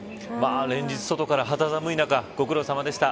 連日外から肌寒い中、ご苦労さまでした。